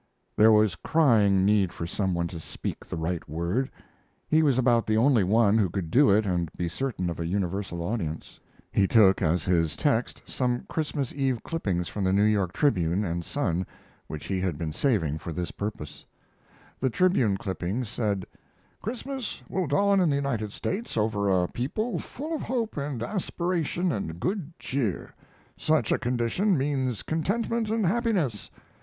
There was crying need for some one to speak the right word. He was about the only one who could do it and be certain of a universal audience. He took as his text some Christmas Eve clippings from the New York Tribune and Sun which he had been saving for this purpose. The Tribune clipping said: Christmas will dawn in the United States over a people full of hope and aspiration and good cheer. Such a condition means contentment and happiness.